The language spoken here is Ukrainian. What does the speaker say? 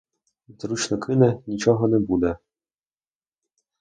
Зручно кине, нічого не буде.